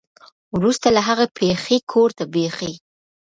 ورورسته له هغې پېښې کور ته بېخي